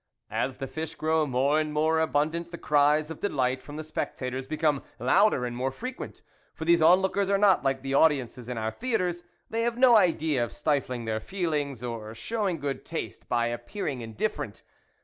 . As the fish grow more and more abundant the cries of delight from the spectators become louder and more frequent ; for these on lookers are not like the audiences in our theatres ; they have no idea of stifling their feelings, or showing good taste by appearing indifferent.